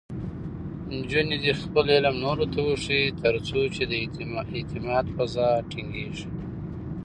نجونې خپل علم نورو ته وښيي، ترڅو د اعتماد فضا ټینګېږي.